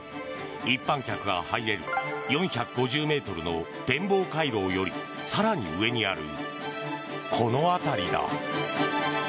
一般客が入れる４５０ｍの天望回廊よりも更に上にある、この辺りだ。